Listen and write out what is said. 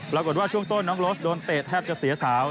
ปรากฏว่าช่วงต้นน้องโรสโดนเตะแทบจะเสียสาว